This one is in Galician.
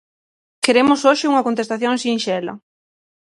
Queremos hoxe unha contestación sinxela.